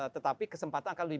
tetapi kesempatan akan lebih